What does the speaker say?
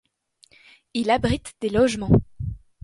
Il abrite des logements.